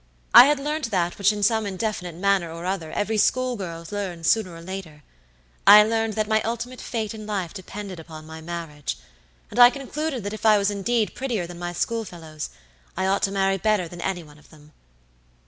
I had learnt that which in some indefinite manner or other every school girl learns sooner or laterI learned that my ultimate fate in life depended upon my marriage, and I concluded that if I was indeed prettier than my schoolfellows, I ought to marry better than any one of them.